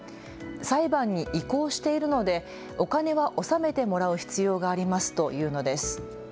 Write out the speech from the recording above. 裁判に移行しているのでお金は納めてもらう必要がありますと言うのです。